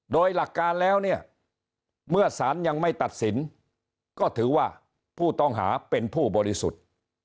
โดยหลักการแล้วเนี่ยเมื่อสารยังไม่ตัดสินก็ถือว่าผู้ต้องหาเป็นผู้บริสุทธิ์